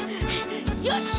よし！